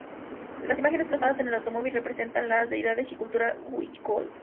Las imágenes plasmadas en el automóvil representan las deidades y cultura huichol.